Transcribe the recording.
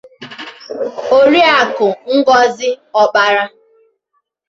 Oriakụ Ngozi Okpara